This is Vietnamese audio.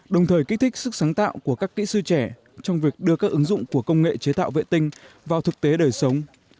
đồng thời kích thích sức sáng tạo của các kỹ sư trẻ trong việc đưa các ứng dụng của công nghệ chế tạo vệ tinh vào thực tế đời sống